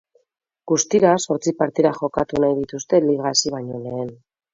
Guztira zortzi partida jokatu nahi dituzte liga hasi baino lehen.